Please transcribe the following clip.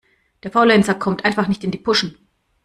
Der Faulenzer kommt einfach nicht in die Puschen.